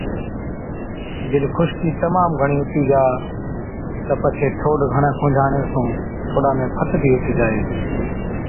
جِڏ خُشڪِي تمام گھڻِي هُتِي جا تہ پڇي ٺوڏ گھڻَي کُنجھاڙڻي سُون ٺوڏا ۾ فٽ بِي هُتِي جائي هِتي۔